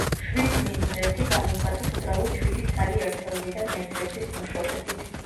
შვიდს მინუს ერთი გამოვხატეთ უბრალოდ შვიდი ცალი ერთეულიდან ერთ-ერთის მოშორებით.